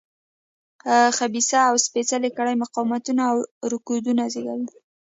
خبیثه او سپېڅلې کړۍ مقاومتونه او رکودونه زېږوي.